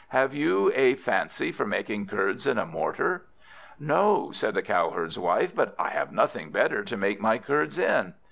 "Have you a fancy for making curds in a mortar?" "No," said the Cowherd's wife, "but I have nothing better to make my curds in."